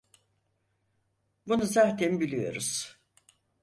Bunu zaten biliyoruz.